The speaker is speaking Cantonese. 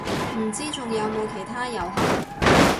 唔知仲有冇其他遊行